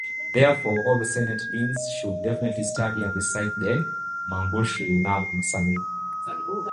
Therefore, all sentient beings should definitely study and recite the manjushri-nama-samgiti.